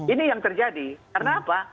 ini yang terjadi karena apa